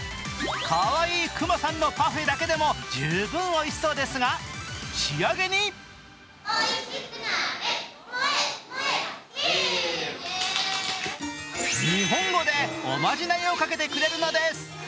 かわいい熊さんのパフェだけでも十分おいしそうですが、仕上げに日本語でおまじないをかけてくれるのです。